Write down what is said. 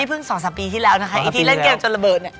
นี่เพิ่งสองสามปีที่แล้วนะคะทีเล่นเกมจนระเบิดเนี่ย